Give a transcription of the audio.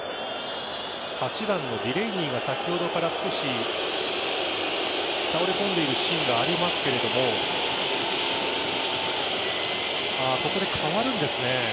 ８番のディレイニーが先ほどから少し倒れ込んでいるシーンがありますがここで代わるんですね。